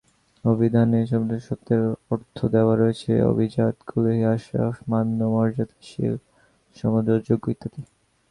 অভিধানে সম্ভ্রান্ত শব্দের অর্থ দেওয়া রয়েছে অভিজাত, কুলীন, আশরাফ, মান্য, মর্যাদাশীল, সমাদরযোগ্য ইত্যাদি।